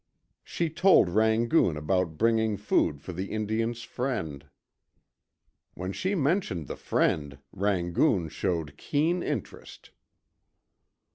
She told Rangoon about bringing food for the Indian's friend. When she mentioned the friend, Rangoon showed keen interest.